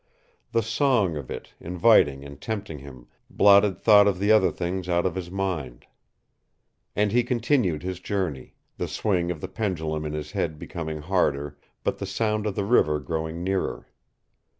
The song of it, inviting and tempting him, blotted thought of the other things out of his mind. And he continued his journey, the swing of the pendulum in his head becoming harder, but the sound of the river growing nearer.